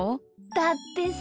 だってさ